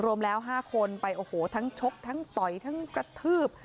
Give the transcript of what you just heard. รวมแล้ว๕คนไปโอ้โหทั้งชกทั้งต่อยทั้งกระทืบ